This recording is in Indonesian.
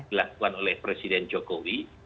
dilakukan oleh presiden jokowi